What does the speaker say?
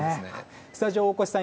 スタジオ大越さん